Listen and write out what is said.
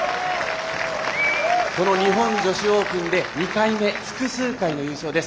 この日本女子オープンで２回目複数回の優勝です。